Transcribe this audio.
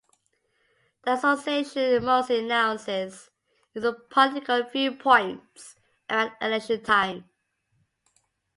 The association mostly announces its political viewpoints around election time.